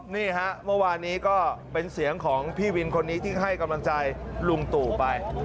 นี่ฮะเมื่อวานนี้ก็เป็นเสียงของพี่วินคนนี้ที่ให้กำลังใจลุงตู่ไป